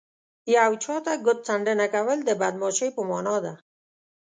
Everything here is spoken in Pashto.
یو چاته ګوت څنډنه کول د بدماشۍ په مانا ده